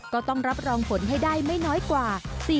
ก็ต้องรับรองผลให้ได้ไม่น้อยกว่า